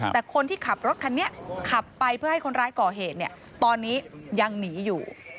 แต่คนที่ขับรถคันนี้ขับไปเพื่อให้คนร้ายก่อเหตุเนี่ยตอนนี้ยังหนีอยู่